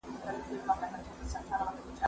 زه به اوږده موده پوښتنه کړې وم!.